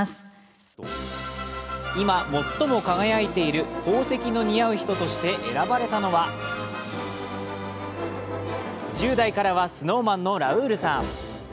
今、最も輝いている宝石の似合う人として選ばれたのは１０代からはＳｎｏｗＭａｎのラウールさん。